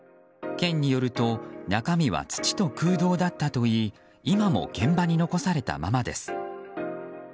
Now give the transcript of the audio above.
県によると中身は土と空洞だったといい今も現場に残されたままです。